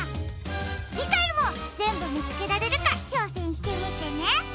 じかいもぜんぶみつけられるかちょうせんしてみてね。